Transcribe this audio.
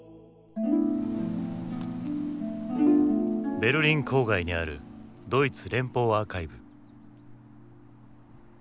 ベルリン郊外にあるドイツ連邦アーカイブ。